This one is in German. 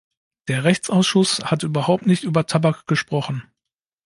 Der Rechtsausschuss hat überhaupt nicht über Tabak gesprochen.